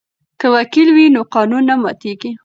که وکیل وي نو قانون نه ماتیږي.